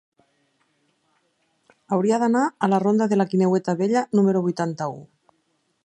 Hauria d'anar a la ronda de la Guineueta Vella número vuitanta-u.